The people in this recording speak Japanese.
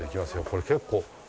これ結構。